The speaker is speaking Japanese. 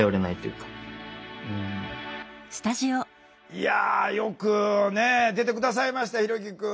いやよく出て下さいましたひろきくん。